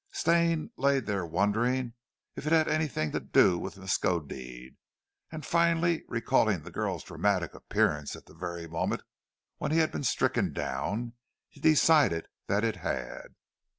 Stane lay there wondering if it had anything to do with Miskodeed, and finally, recalling the girl's dramatic appearance at the very moment when he had been stricken down, decided that it had.